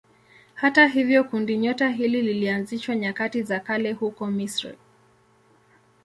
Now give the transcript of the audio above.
Hata hivyo kundinyota hili lilianzishwa nyakati za kale huko Misri.